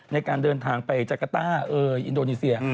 ในการเดินทางไปจักรต้าอินโดนีเซีย